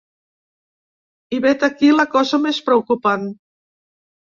I vet aquí la cosa més preocupant.